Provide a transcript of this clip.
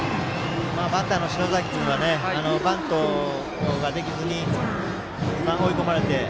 バッターの篠崎君はバントができずに追い込まれて。